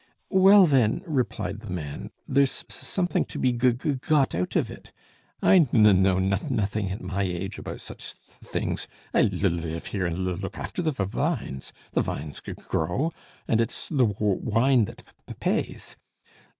"Well, then," replied the man, "there's s s something to be g g got out of it? I k know n nothing at my age about such th th things. I l l live here and l l look after the v v vines. The vines g g grow, and it's the w w wine that p p pays.